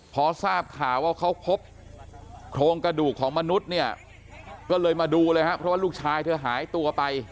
พอทราบค่ะว่าเขาพบโครงกระดูกของมนุษย์ก็เลยมาดูเลยหรือลูกชายก็หายตัวไป